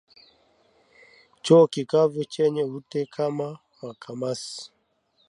Choo kikavu chenye ute kama makamasi